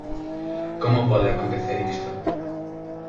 Como pode acontecer isto?